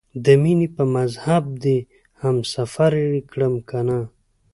د مینې په مذهب دې هم سفر یې کړم کنه؟